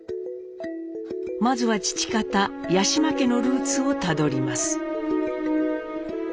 まずは父方八嶋家のルーツをたどります。